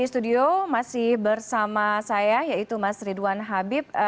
di studio masih bersama saya yaitu mas ridwan habib